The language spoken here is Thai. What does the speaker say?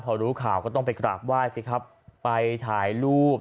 พอรู้ข่าวก็ต้องไปกราบไหว้สิครับไปถ่ายรูป